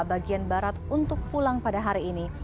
bagian barat untuk pulang pada hari ini